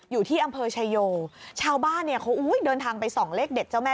อยู่ที่อำเภอชายโยชาวบ้านเนี่ยเขาอุ้ยเดินทางไปส่องเลขเด็ดเจ้าแม่